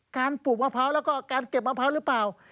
ปลูกมะพร้าวแล้วก็การเก็บมะพร้าวหรือเปล่า